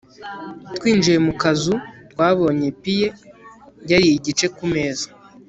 twinjiye mu kazu, twabonye pie yariye igice ku meza